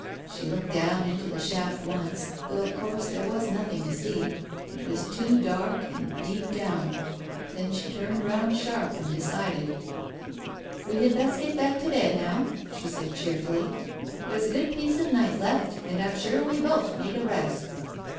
She looked down into the shaft once, though of course there was nothing to see, it was too dark and deep down; then she turned round sharp and decided. ... "We had best get back to bed now," she said cheer fully. "There's a good piece of night left, and I'm sure we both need a rest."